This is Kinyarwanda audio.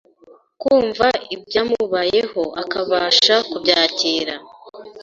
kumva ibyamubayeho akabasha kubyakira